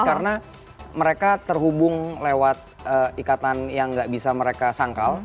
karena mereka terhubung lewat ikatan yang gak bisa mereka sangkal